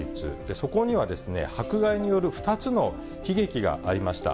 そこには迫害による２つの悲劇がありました。